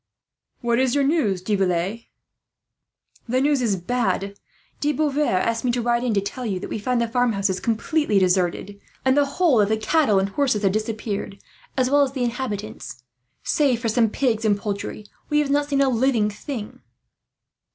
"What is your news, De Villette?" "The news is bad. De Beauvoir asked me to ride in to tell you that we find the farmhouses completely deserted, and the whole of the cattle and horses have disappeared, as well as the inhabitants. Save for some pigs and poultry, we have not seen a living thing."